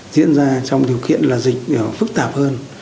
diễn ra trong điều kiện là dịch phức tạp hơn